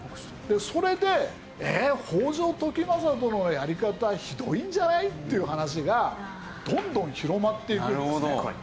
それで「北条時政殿のやり方はひどいんじゃない」っていう話がどんどん広まっていくんですね。